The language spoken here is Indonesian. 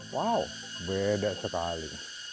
wow beda sekali